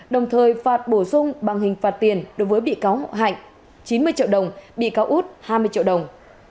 đồng thời phạt bổ sung bằng hình phạt tiền đối với bị cáo hạnh chín mươi triệu đồng bị cáo út hai mươi triệu đồng